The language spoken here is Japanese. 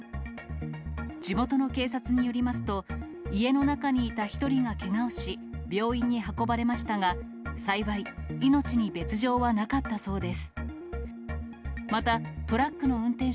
地元の警察によりますと、家の中にいた１人がけがをし、病院に運ばれましたが、幸い、命に別状はなかったそうです。